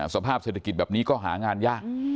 สภาพเศรษฐกิจแบบนี้ก็หางานยาก